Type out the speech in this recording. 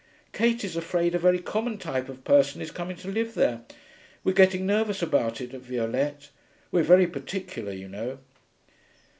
'Kate is afraid a very common type of person is coming to live there. We're getting nervous about it at Violette. We're very particular, you know.'